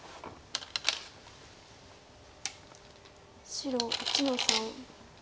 白１の三。